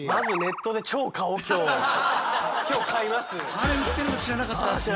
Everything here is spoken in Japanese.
あれ売ってるの知らなかったですね。